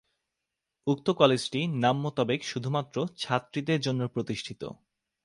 উক্ত কলেজটি নাম মোতাবেক শুধুমাত্র ছাত্রীদের জন্য প্রতিষ্ঠিত।